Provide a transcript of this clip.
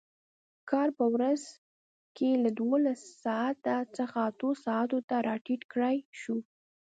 کار په ورځ کې له دولس ساعتو څخه اتو ساعتو ته راټیټ کړای شو.